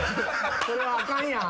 それはあかんやん。